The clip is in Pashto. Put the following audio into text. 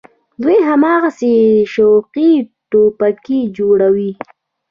دوى هماغسې شوقي ټوپکې جوړوي.